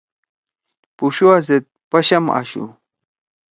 پُشُوا زید پشم آشُو۔